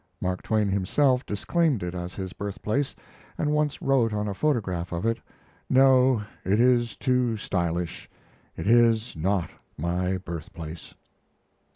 Mark Twain himself disclaimed it as his birthplace, and once wrote on a photograph of it: "No, it is too stylish, it is not my birthplace."